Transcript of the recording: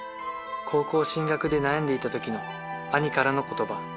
高校進学で悩んでいた時の兄からの言葉